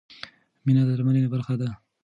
مینه د درملنې برخه ده.